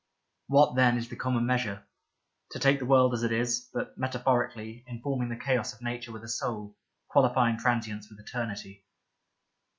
What, then, is the common measure ? To take the world as it is, but metaphorically, informing the chaos of nature with a soul, quali fying transience with eternity.